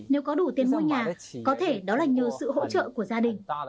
nếu có đủ tiền mua nhà có thể đó là nhờ sự hỗ trợ của gia đình